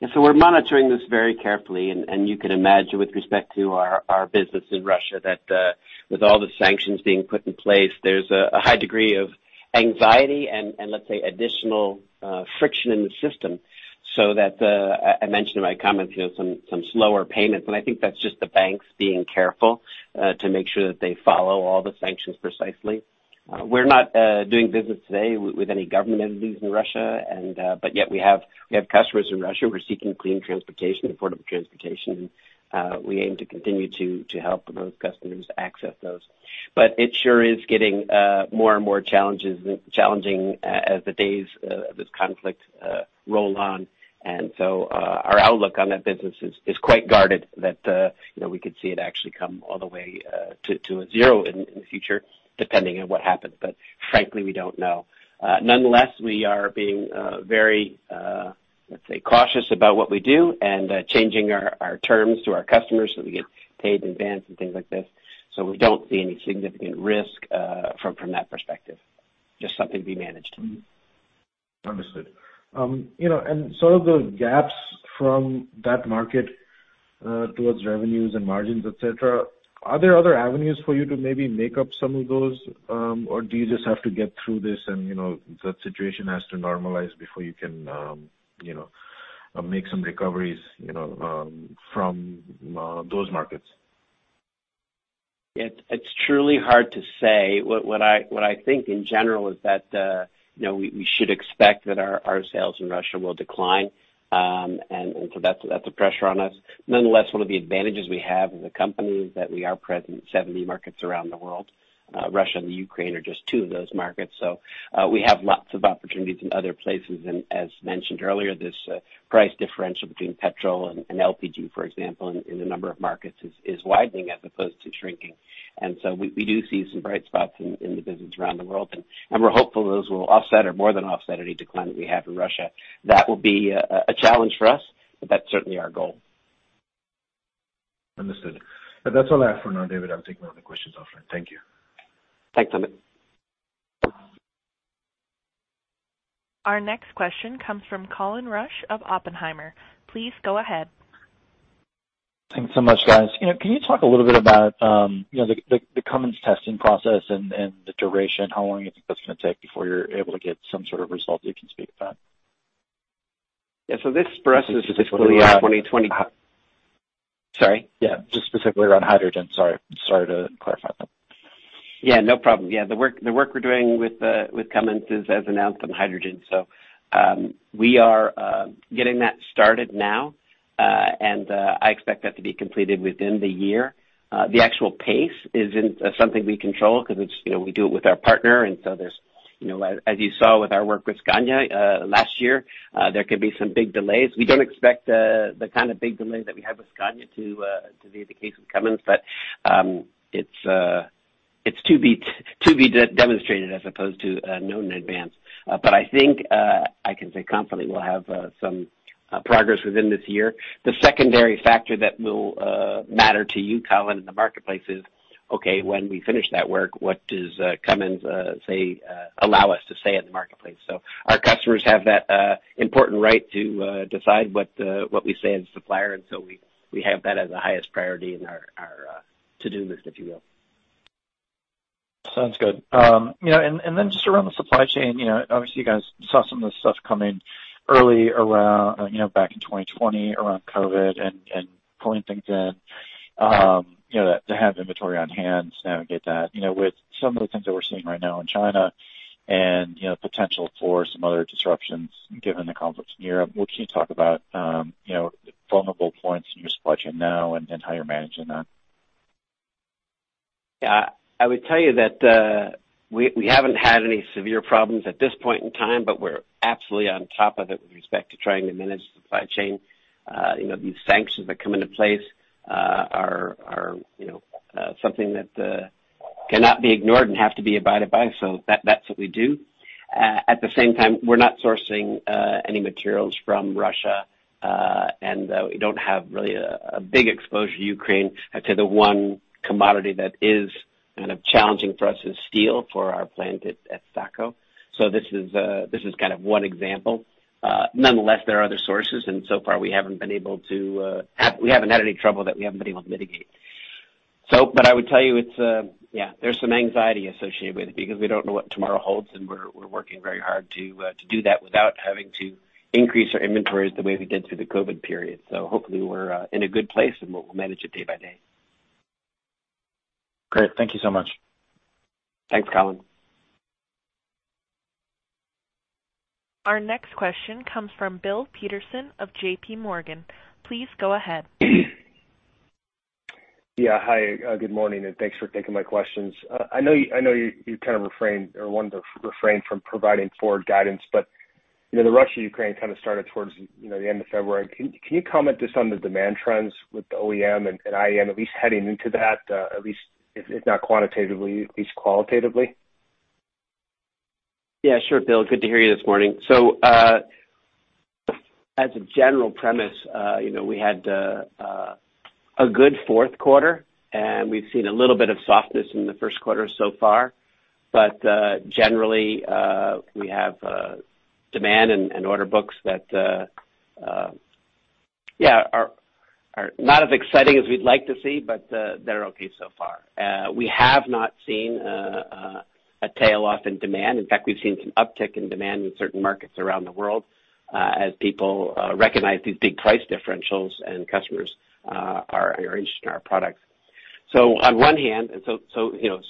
Yeah. We're monitoring this very carefully. You can imagine with respect to our business in Russia that with all the sanctions being put in place, there's a high degree of anxiety and let's say, additional friction in the system so that I mentioned in my comments, you know, some slower payments. I think that's just the banks being careful to make sure that they follow all the sanctions precisely. We're not doing business today with any government entities in Russia, but yet we have customers in Russia who are seeking clean transportation, affordable transportation. We aim to continue to help those customers access those. It sure is getting more and more challenging as the days of this conflict roll on. Our outlook on that business is quite guarded that you know we could see it actually come all the way to a zero in the future depending on what happens. Frankly, we don't know. Nonetheless, we are being very let's say cautious about what we do and changing our terms to our customers so we get paid in advance and things like this. We don't see any significant risk from that perspective, just something to be managed. Understood. You know, and some of the gaps from that market towards revenues and margins, et cetera, are there other avenues for you to maybe make up some of those? You just have to get through this and, you know, that situation has to normalize before you can, you know, make some recoveries, you know, from those markets? It's truly hard to say. What I think in general is that, you know, we should expect that our sales in Russia will decline. So that's a pressure on us. Nonetheless, one of the advantages we have as a company is that we are present in 70 markets around the world. Russia and the Ukraine are just two of those markets, we have lots of opportunities in other places. As mentioned earlier, this price differential between petrol and LPG, for example, in a number of markets is widening as opposed to shrinking. We do see some bright spots in the business around the world. We're hopeful those will offset or more than offset any decline that we have in Russia. That will be a challenge for us, but that's certainly our goal. Understood. That's all I have for now, David. I'll take my other questions offline. Thank you. Thanks, Amit. Our next question comes from Colin Rusch of Oppenheimer. Please go ahead. Thanks so much, guys. You know, can you talk a little bit about, you know, the Cummins testing process and the duration? How long you think that's gonna take before you're able to get some sort of result you can speak about? Yeah. This for us is specifically on 2020- Sorry. Yeah. Just specifically around hydrogen. Sorry. To clarify that. Yeah, no problem. The work we're doing with Cummins is as announced on hydrogen. We are getting that started now, and I expect that to be completed within the year. The actual pace isn't something we control 'cause it's, you know, we do it with our partner. There's, you know, as you saw with our work with Scania last year, there could be some big delays. We don't expect the kind of big delay that we had with Scania to be the case with Cummins. It's to be demonstrated as opposed to known in advance. I think I can say confidently we'll have some progress within this year. The secondary factor that will matter to you, Colin, in the marketplace is okay, when we finish that work, what does Cummins say allow us to say in the marketplace? Our customers have that important right to decide what we say as a supplier. We have that as the highest priority in our to-do list, if you will. Sounds good. You know, and then just around the supply chain, you know, obviously you guys saw some of the stuff coming early around, you know, back in 2020 around COVID and pulling things in, you know, to have inventory on hand to navigate that. You know, with some of the things that we're seeing right now in China and, you know, potential for some other disruptions given the conflict in Europe, what can you talk about, you know, vulnerable points in your supply chain now and how you're managing that? Yeah. I would tell you that we haven't had any severe problems at this point in time, but we're absolutely on top of it with respect to trying to manage the supply chain. You know, these sanctions that come into place are something that cannot be ignored and have to be abided by. That's what we do. At the same time, we're not sourcing any materials from Russia. We don't have really a big exposure to Ukraine. I'd say the one commodity that is kind of challenging for us is steel for our plant at STAKO. This is kind of one example. Nonetheless, there are other sources, and so far we haven't had any trouble that we haven't been able to mitigate. I would tell you it's yeah, there's some anxiety associated with it because we don't know what tomorrow holds, and we're working very hard to do that without having to increase our inventories the way we did through the COVID period. Hopefully we're in a good place, and we'll manage it day by day. Great. Thank you so much. Thanks, Colin. Our next question comes from Bill Peterson of JPMorgan. Please go ahead. Yeah. Hi, good morning, and thanks for taking my questions. I know you kind of refrained or wanted to refrain from providing forward guidance, but you know, the Russia-Ukraine kind of started towards you know, the end of February. Can you comment just on the demand trends with the OEM and IAM at least heading into that, at least if not quantitatively, at least qualitatively? Yeah, sure, Bill. Good to hear you this morning. As a general premise, you know, we had a good fourth quarter, and we've seen a little bit of softness in the first quarter so far. Generally, we have demand and order books that yeah are not as exciting as we'd like to see, but they're okay so far. We have not seen a tail off in demand. In fact, we've seen some uptick in demand in certain markets around the world, as people recognize these big price differentials and customers are interested in our products. On one hand, you know,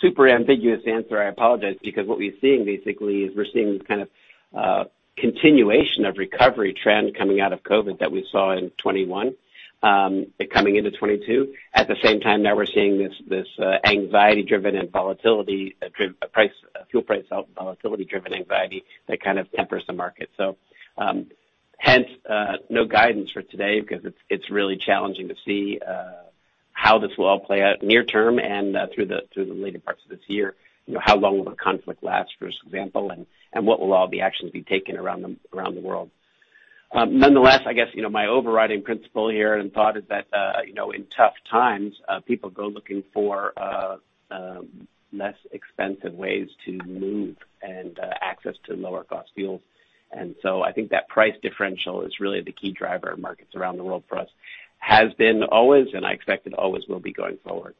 super ambiguous answer. I apologize because what we're seeing basically is we're seeing this kind of continuation of recovery trend coming out of COVID that we saw in 2021, it coming into 2022. At the same time now we're seeing this anxiety-driven and volatility-driven fuel price volatility-driven anxiety that kind of tempers the market. Hence, no guidance for today because it's really challenging to see how this will all play out near term and through the later parts of this year. You know, how long will the conflict last, for example, and what will all the actions be taken around the world. Nonetheless, I guess, you know, my overriding principle here and thought is that, you know, in tough times, people go looking for less expensive ways to move and access to lower cost fuels. I think that price differential is really the key driver of markets around the world for us. It has always been, and I expect it always will be going forward.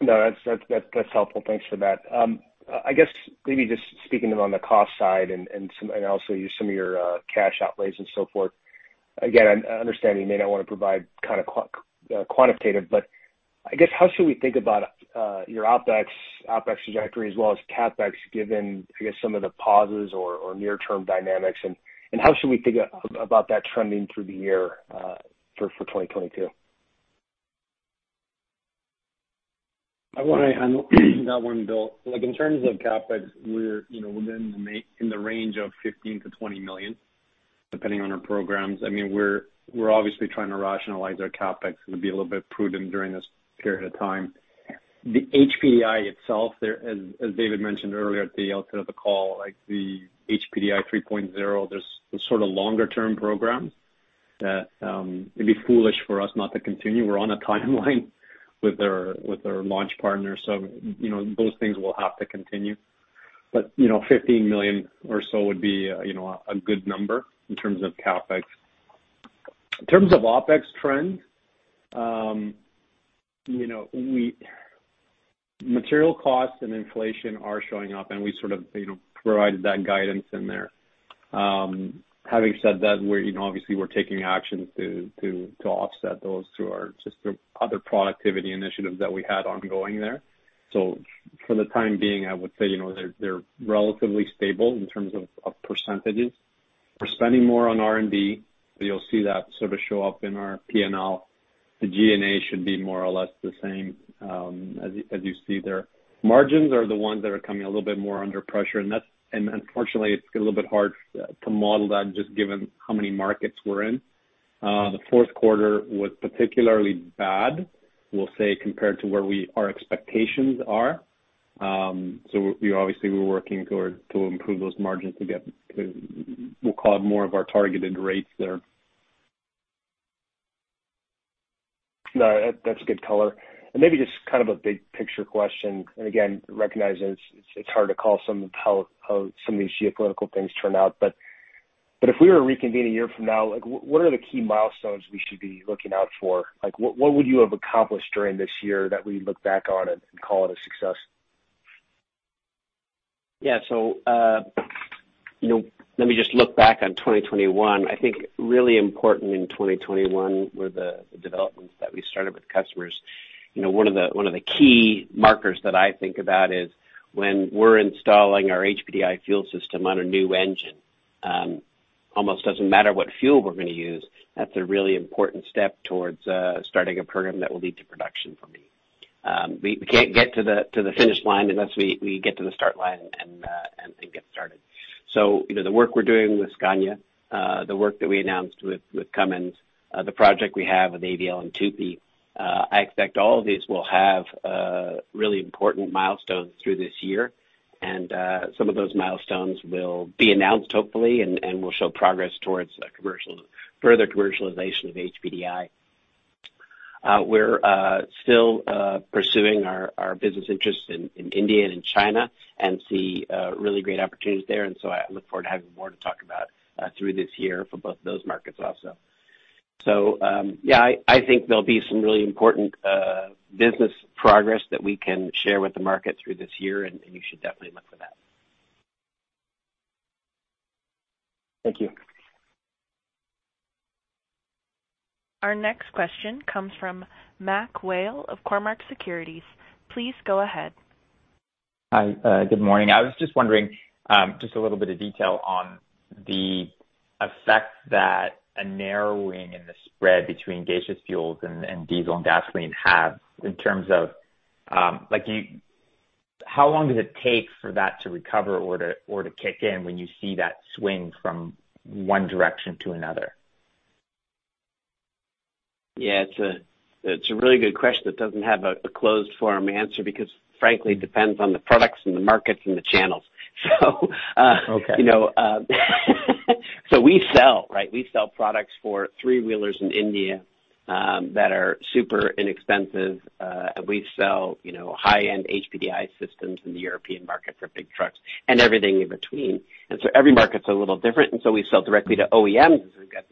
No, that's helpful. Thanks for that. I guess maybe just speaking on the cost side and also some of your cash outlays and so forth. Again, I understand you may not wanna provide kind of quantitative, but I guess how should we think about your OpEx trajectory as well as CapEx, given some of the pauses or near-term dynamics? How should we think about that trending through the year for 2022? I want to weigh in on that one, Bill. Like, in terms of CapEx, we're, you know, within in the range of $15-$20 million, depending on our programs. I mean, we're obviously trying to rationalize our CapEx and be a little bit prudent during this period of time. The HPDI itself there, as David mentioned earlier at the outset of the call, like the HPDI 3.0, there's sort of longer term programs that it'd be foolish for us not to continue. We're on a timeline with our launch partners, so, you know, those things will have to continue. You know, $15 million or so would be, you know, a good number in terms of CapEx. In terms of OpEx trends, you know, we. Material costs and inflation are showing up and we sort of, you know, provided that guidance in there. Having said that, we're, you know, obviously we're taking actions to offset those through our, just through other productivity initiatives that we had ongoing there. For the time being, I would say, you know, they're relatively stable in terms of percentages. We're spending more on R&D, so you'll see that sort of show up in our P&L. The G&A should be more or less the same, as you see there. Margins are the ones that are coming a little bit more under pressure, and unfortunately, it's a little bit hard to model that just given how many markets we're in. The fourth quarter was particularly bad, we'll say, compared to where our expectations are. We obviously are working to improve those margins to get to what we'll call more of our targeted rates there. No, that's good color. Maybe just kind of a big picture question, and again, recognizing it's hard to call some of how some of these geopolitical things turn out. But if we were to reconvene a year from now, like what are the key milestones we should be looking out for? Like, what would you have accomplished during this year that we look back on and call it a success? Yeah. You know, let me just look back on 2021. I think really important in 2021 were the developments that we started with customers. You know, one of the key markers that I think about is when we're installing our HPDI fuel system on a new engine, almost doesn't matter what fuel we're gonna use. That's a really important step towards starting a program that will lead to production for me. We can't get to the finish line unless we get to the start line and get started. You know, the work we're doing with Scania, the work that we announced with Cummins, the project we have with AVL and TUPY, I expect all of these will have really important milestones through this year. Some of those milestones will be announced, hopefully, and will show progress towards further commercialization of HPDI. We're still pursuing our business interests in India and in China and see really great opportunities there. I look forward to having more to talk about through this year for both of those markets also. Yeah, I think there'll be some really important business progress that we can share with the market through this year, and you should definitely look for that. Thank you. Our next question comes from Mac Whale of Cormark Securities. Please go ahead. Hi, good morning. I was just wondering, just a little bit of detail on the effect that a narrowing in the spread between gaseous fuels and diesel and gasoline have in terms of, like, how long does it take for that to recover or to kick in when you see that swing from one direction to another? Yeah. It's a really good question that doesn't have a closed-form answer because frankly, it depends on the products and the markets and the channels. Okay. You know, so we sell, right? We sell products for three-wheelers in India that are super inexpensive, and we sell, you know, high-end HPDI systems in the European market for big trucks and everything in between. Every market's a little different, and so we sell directly to OEMs, and we've got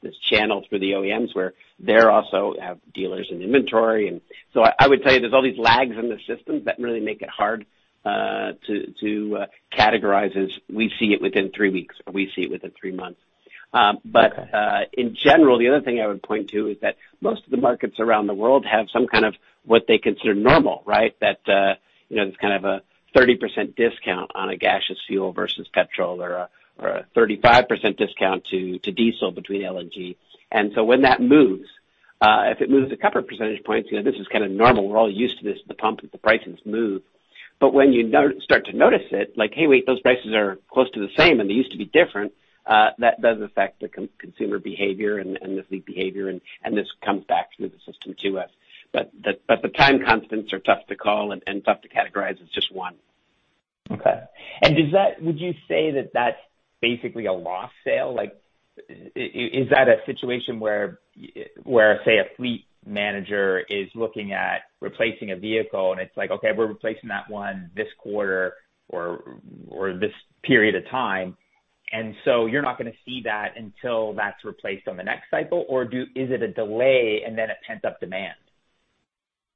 this channel through the OEMs where they also have dealers and inventory. I would tell you there's all these lags in the systems that really make it hard to categorize as we see it within three weeks or we see it within three months. Okay. In general, the other thing I would point to is that most of the markets around the world have some kind of what they consider normal, right? That, you know, there's kind of a 30% discount on a gaseous fuel versus petrol or a 35% discount to diesel between LNG. And so when that moves, if it moves a couple percentage points, you know, this is kinda normal. We're all used to this. The pump prices move. When you start to notice it, like, "Hey, wait, those prices are close to the same, and they used to be different," that does affect the consumer behavior and the fleet behavior and this comes back through the system to us. The time constants are tough to call and tough to categorize as just one. Okay. Would you say that that's basically a lost sale? Like, is that a situation where, say, a fleet manager is looking at replacing a vehicle and it's like, "Okay, we're replacing that one this quarter or this period of time," and so you're not gonna see that until that's replaced on the next cycle, or is it a delay and then a pent-up demand?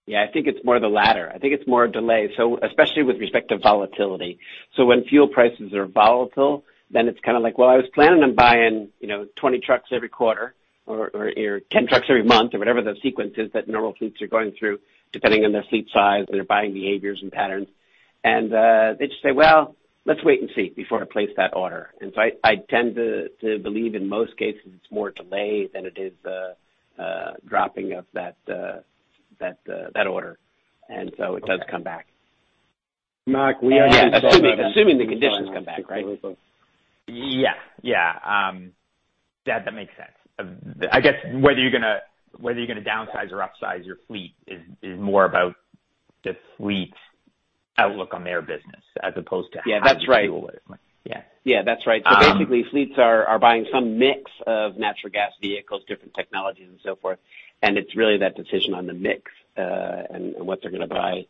Yeah, I think it's more the latter. I think it's more a delay, especially with respect to volatility. When fuel prices are volatile, then it's kinda like, well, I was planning on buying, you know, 20 trucks every quarter or your 10 trucks every month or whatever the sequence is that normal fleets are going through, depending on their fleet size and their buying behaviors and patterns. They just say, "Well, let's wait and see before I place that order." I tend to believe in most cases it's more delay than it is dropping of that order. It does come back. Mac, we actually said that. Yeah, assuming the conditions come back, right? Yeah. Yeah. Yeah, that makes sense. I guess whether you're gonna downsize or upsize your fleet is more about the fleet's outlook on their business as opposed to how you fuel it. Yeah, that's right. Yeah. Yeah, that's right. Basically, fleets are buying some mix of natural gas vehicles, different technologies and so forth, and it's really that decision on the mix, and what they're gonna buy.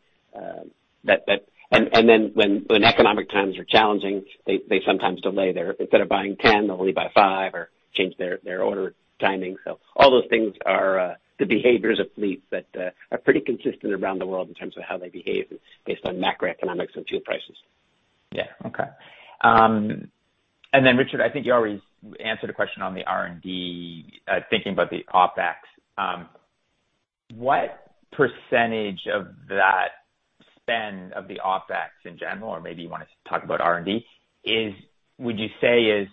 Then when economic times are challenging, they sometimes delay their instead of buying 10, they'll only buy five or change their order timing. All those things are the behaviors of fleets that are pretty consistent around the world in terms of how they behave based on macroeconomics and fuel prices. Yeah. Okay. Richard, I think you already answered a question on the R&D, thinking about the OpEx. What percentage of that spend of the OpEx in general, or maybe you wanna talk about R&D, would you say is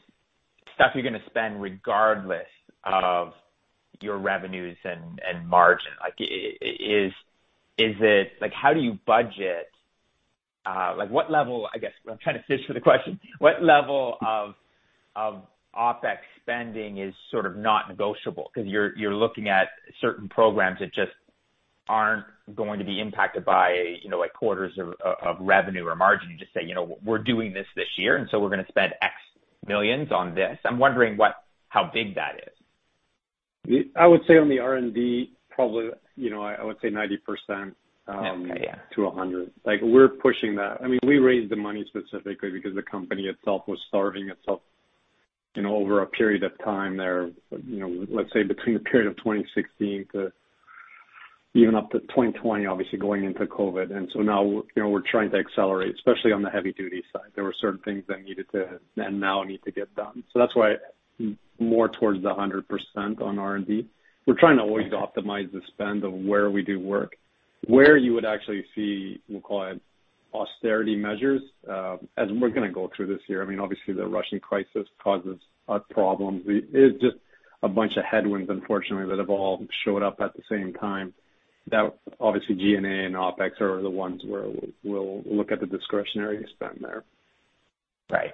stuff you're gonna spend regardless of your revenues and margin? Like, is it Like, how do you budget Like, what level I guess what I'm trying to fish for the question what level of OpEx spending is sort of not negotiable because you're looking at certain programs that just aren't going to be impacted by, you know, like, quarters of revenue or margin. You just say, "You know, we're doing this this year, and so we're gonna spend X million on this." I'm wondering how big that is. I would say on the R&D probably, you know, I would say 90%. Okay. Yeah. To 100%. Like, we're pushing that. I mean, we raised the money specifically because the company itself was starving itself, you know, over a period of time there, you know, let's say between the period of 2016 to even up to 2020, obviously going into COVID. Now, you know, we're trying to accelerate, especially on the heavy duty side. There were certain things that needed to and now need to get done. That's why more towards the 100% on R&D. We're trying to always optimize the spend of where we do work. Where you would actually see, we'll call it austerity measures, as we're gonna go through this year, I mean, obviously the Russian crisis causes us problems. It is just a bunch of headwinds, unfortunately, that have all showed up at the same time that obviously G&A and OpEx are the ones where we'll look at the discretionary spend there. Right.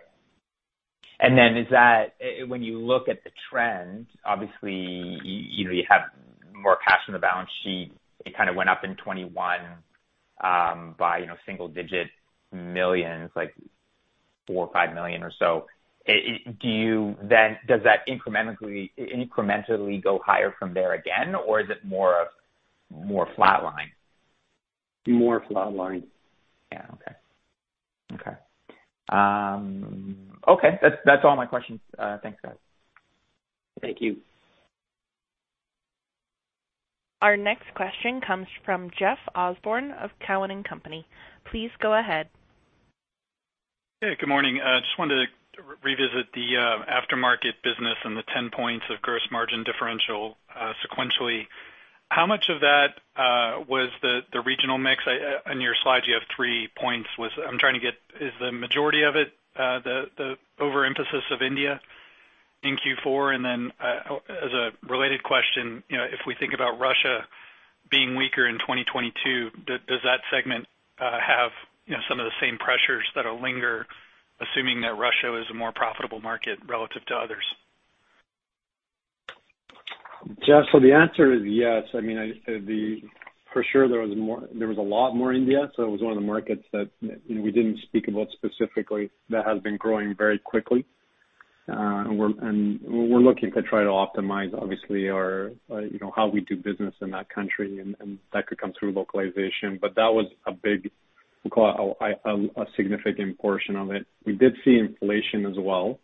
Is that when you look at the trends, obviously you know, you have more cash on the balance sheet. It kinda went up in 2021 by you know, single digit millions, like $4 million or $5 million or so. Does that incrementally go higher from there again, or is it more flatline? More flatline. Yeah. Okay, that's all my questions. Thanks, guys. Thank you. Our next question comes from Jeff Osborne of Cowen and Company. Please go ahead. Hey, good morning. I just wanted to revisit the aftermarket business and the 10 points of gross margin differential sequentially. How much of that was the regional mix? On your slide, you have three points. I'm trying to get is the majority of it the overemphasis of India in Q4? As a related question, you know, if we think about Russia being weaker in 2022, does that segment have, you know, some of the same pressures that'll linger, assuming that Russia was a more profitable market relative to others? Jeff, the answer is yes. I mean, for sure there was a lot more India. It was one of the markets that, you know, we didn't speak about specifically that has been growing very quickly. We're looking to try to optimize obviously our, you know, how we do business in that country, and that could come through localization. But that was a big, we'll call it a significant portion of it. We did see inflation as well,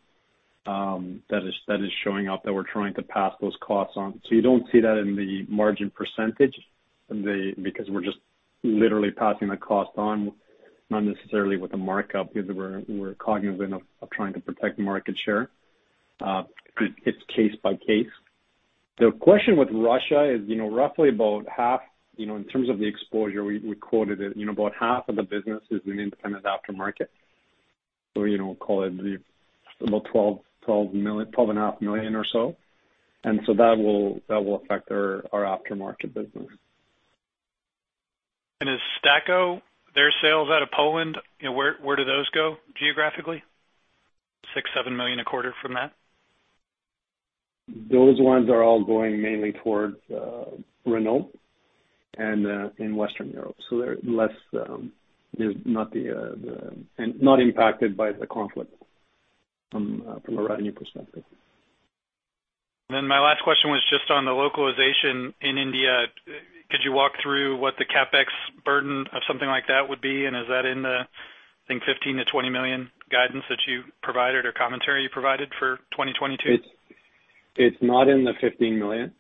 that is showing up, that we're trying to pass those costs on. You don't see that in the margin percentage, because we're just literally passing the cost on, not necessarily with a markup because we're cognizant of trying to protect market share. It's case by case. The question with Russia is, you know, roughly about half, you know, in terms of the exposure we quoted it, you know, about half of the business is an independent aftermarket. You know, we'll call it about $12 million, $12.5 million or so. That will affect our aftermarket business. Is STAKO, their sales out of Poland, you know, where do those go geographically? $6-7 million a quarter from that. Those ones are all going mainly towards Renault and in Western Europe. They're less, you know, not impacted by the conflict from a revenue perspective. My last question was just on the localization in India. Could you walk through what the CapEx burden of something like that would be? Is that in the, I think, $15 million-$20 million guidance that you provided or commentary you provided for 2022? It's not in the $15 million.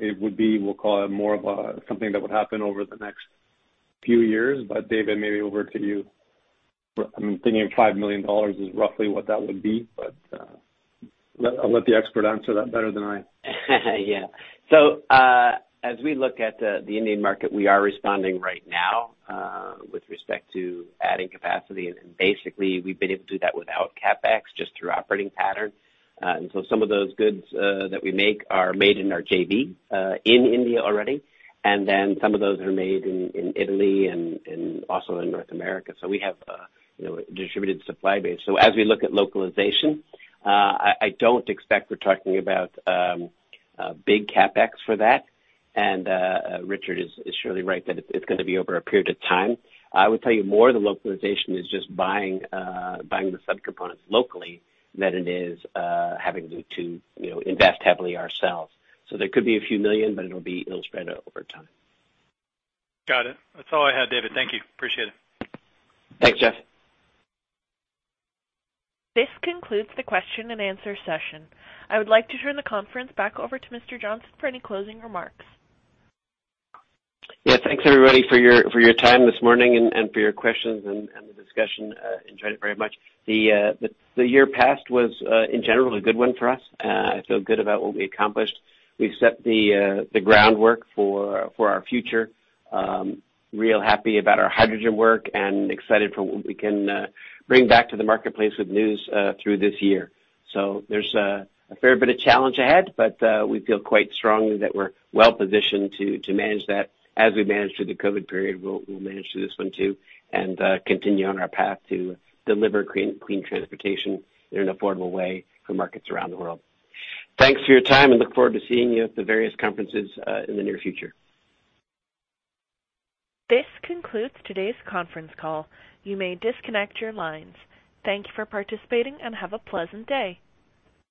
It would be, we'll call it more of a something that would happen over the next few years. David, maybe over to you. I'm thinking of $5 million is roughly what that would be. I'll let the expert answer that better than I. Yeah. As we look at the Indian market, we are responding right now with respect to adding capacity. Basically, we've been able to do that without CapEx, just through operating footprint. Some of those goods that we make are made in our JV in India already. Then some of those are made in Italy and also in North America. We have, you know, a distributed supply base. As we look at localization, I don't expect we're talking about big CapEx for that. Richard is surely right that it's gonna be over a period of time. I would tell you more of the localization is just buying the subcomponents locally than it is having to, you know, invest heavily ourselves. There could be a few million, but it'll be spread out over time. Got it. That's all I had, David. Thank you. Appreciate it. Thanks, Jeff. This concludes the question and answer session. I would like to turn the conference back over to Mr. Johnson for any closing remarks. Yeah, thanks, everybody, for your time this morning and for your questions and the discussion. Enjoyed it very much. The year passed was, in general, a good one for us. I feel good about what we accomplished. We've set the groundwork for our future. Real happy about our hydrogen work and excited for what we can bring back to the marketplace with news through this year. There's a fair bit of challenge ahead, but we feel quite strongly that we're well positioned to manage that. As we managed through the COVID period, we'll manage through this one too, and continue on our path to deliver clean transportation in an affordable way for markets around the world. Thanks for your time, and look forward to seeing you at the various conferences, in the near future. This concludes today's conference call. You may disconnect your lines. Thank you for participating and have a pleasant day.